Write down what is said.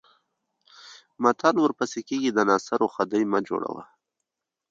متل ورپسې کېږي د ناصرو خدۍ مه جوړوه.